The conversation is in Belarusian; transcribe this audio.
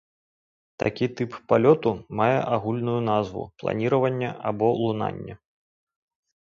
Такі тып палёту мае агульную назву планіраванне або лунанне.